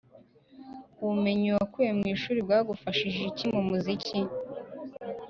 Ubumenyi wakuye mu ishuri bwagufashije iki mu muziki?